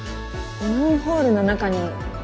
マンホールの中に指輪が。